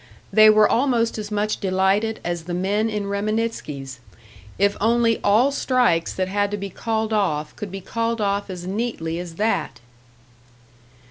They were almost as much delighted as the men in Reminitsky's. If only all strikes that had to be called off could be called off as neatly as that!